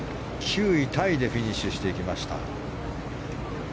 ９位タイでフィニッシュしていきました。